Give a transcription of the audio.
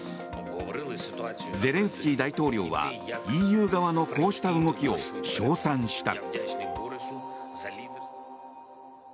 ゼレンスキー大統領はＥＵ側のこうした動きを称賛した。